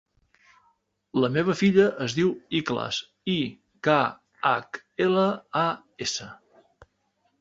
La meva filla es diu Ikhlas: i, ca, hac, ela, a, essa.